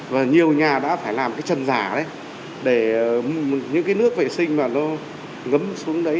và nhiều nhà đã phải làm cái trần giả đấy để những cái nước vệ sinh mà nó ngấm xuống đấy